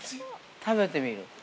食べてみる。